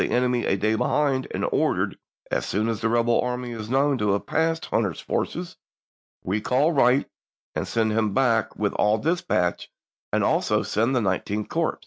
enemy a day behind, and ordered, "As soon as the rebel army is known to have passed Hunter's forces, recall Wright, and send him back here with all dispatch, and also send the Nineteenth Corps."